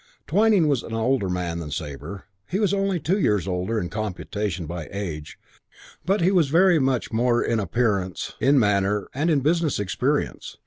Twyning was an older man than Sabre. He was only two years older in computation by age but he was very much more in appearance, in manner and in business experience.